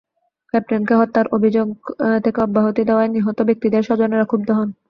ক্যাপ্টেনকে হত্যার অভিযোগ থেকে অব্যাহতি দেওয়ায় নিহত ব্যক্তিদের স্বজনেরা ক্ষুব্ধ হন।